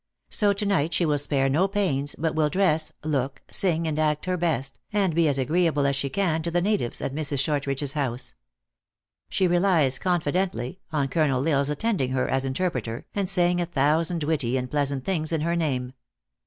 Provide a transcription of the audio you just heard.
So to night she will spare no pains, but will dress, look, sing and act her best, and be as agreeable as she can to the natives at Mrs. Shortridge s house. She relies, confidently, on Col. L Isle s attending her as interpreter, and saying a thousand witty and pleas ant things in her name.